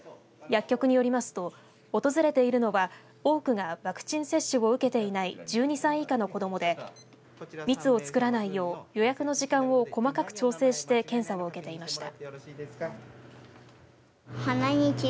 薬局によりますと訪れているのは多くがワクチン接種を受けていない１２歳以下の子どもで密を作らないよう予約の時間を細かく調整して検査を受けていました。